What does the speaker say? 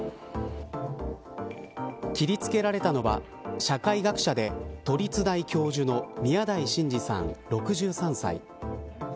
切りつけられたのは社会学者で都立大教授の宮台真司さん６３歳。